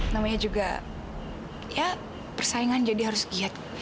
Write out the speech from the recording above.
namanya juga ya persaingan jadi harus giat